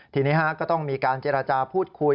ทีนี้ก็ต้องมีการเจรจาพูดคุย